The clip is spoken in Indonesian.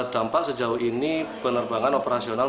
dampak sejauh ini penerbangan operasional